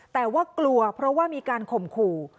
แต่ว่ากลัวเพราะว่ามีการข่มขู่